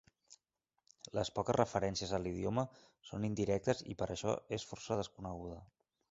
Les poques referències a l'idioma són indirectes i per això és força desconeguda.